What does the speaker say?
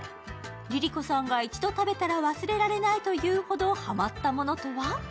ＬｉＬｉＣｏさんが一度食べたら忘れられないというほどハマッたものとは？